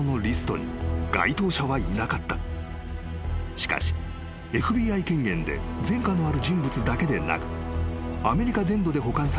［しかしＦＢＩ権限で前科のある人物だけでなくアメリカ全土で保管されている全ての指紋と照合。